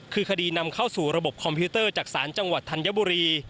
คือคดีนำเข้าสู่ระบบคอมพิวเตอร์จากศาลจังหวัดธัญบุรี